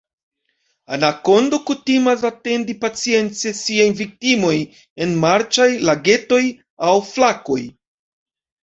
Anakondo kutimas atendi pacience siajn viktimojn en marĉaj lagetoj aŭ flakoj.